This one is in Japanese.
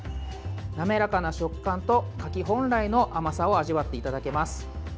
滑らかな食感と、柿本来の甘さを味わっていただけます。